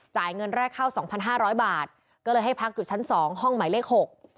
จ่ายเงินแรกเข้า๒๕๐๐บาทก็เลยให้พักอยู่ชั้น๒ห้องหมายเลข๖